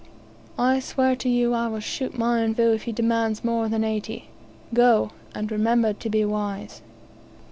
I swear to you I will shoot Mionvu if he demands more than eighty. Go, and remember to be wise."